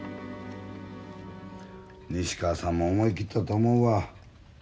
西川さんも思い切ったと思うわ。